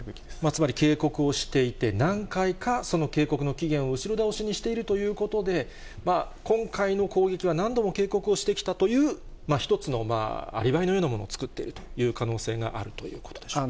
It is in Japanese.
つまり、警告をしていて、何回か、その警告の期限を後ろ倒しにしているということで、今回の攻撃は何度も警告をしてきたという、一つのアリバイのようなものを作っているという可能性があるということでしょうか。